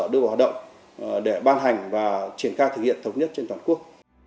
cơ sở đưa vào hoạt động để ban hành và triển khai thực hiện thống nhất trên toàn quốc